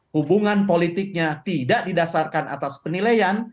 hubungan politiknya tidak didasarkan atas penilaian